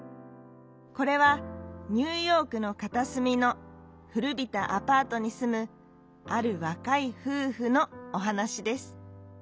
これはニューヨークのかたすみのふるびたアパートにすむあるわかいふうふのおはなしです。